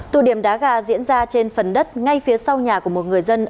tụ điểm đá gà diễn ra trên phần đất ngay phía sau nhà của một người dân